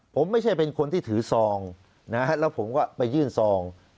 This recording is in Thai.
ผมไม่ใช่เป็นคนที่ถือซองนะฮะแล้วผมก็ไปยื่นซอง